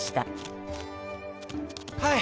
はい。